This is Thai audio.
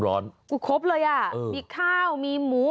โอ้โฮครบเลยมีข้าวมีหมู